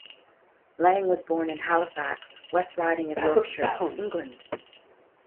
Lang was born in Halifax, West Riding of Yorkshire, England.